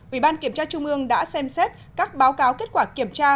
ủy ban kiểm tra trung ương đã xem xét các báo cáo kết quả kiểm tra